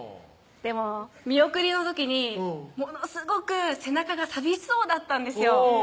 でも見送りの時にものすごく背中が寂しそうだったんですよ